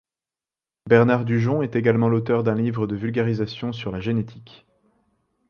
Bernard Dujon est également l'auteur d'un livre de vulgarisation sur la génétique.